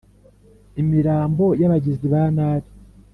Imirambo y abagizi ba nabi